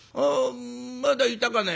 まだいたかね？」。